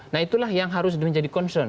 nah itulah yang harus menjadi concern